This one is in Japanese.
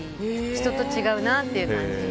人と違うなって感じ。